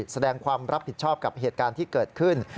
แสดงความรับผิดชอบกับเหตุการณ์ที่เกิดขึ้น